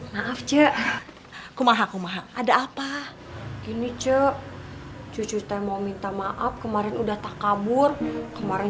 maaf cek kumaha kumaha ada apa ini cek cucu saya mau minta maaf kemarin udah tak kabur kemarin